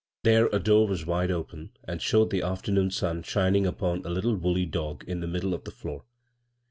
There a door was wide open and showed the aftemooD sun shining upon a little woolly dog in the mid dle ol the floor.